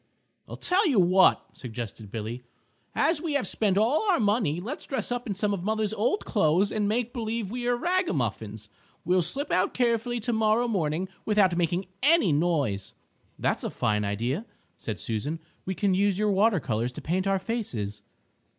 "I tell you what," suggested Billy, "as we have spent all our money, let's dress up in some of mother's old clothes and make believe we are rag a muffins. We'll slip out carefully tomorrow morning, without making any noise." "That's a fine idea," said Susan. "We can use your water colors to paint our faces."